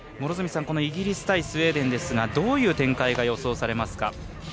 イギリス対スウェーデンどういう展開が予想されますか？